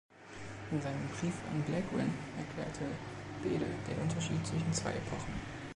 In seinem „Brief an Plegwin“ erklärte Bede den Unterschied zwischen zwei Epochen.